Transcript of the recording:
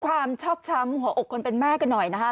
ชอบช้ำหัวอกคนเป็นแม่กันหน่อยนะคะ